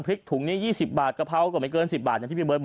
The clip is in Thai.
พริกถุงนี้๒๐บาทกระเพราะก็ไม่เกิน๑๐บาท